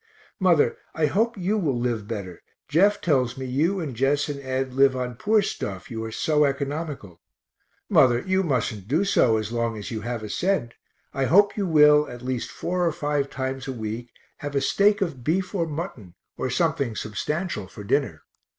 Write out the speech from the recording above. Mother, I hope you will live better Jeff tells me you and Jess and Ed live on poor stuff, you are so economical. Mother, you mustn't do so as long as you have a cent I hope you will, at least four or five times a week, have a steak of beef or mutton, or something substantial for dinner.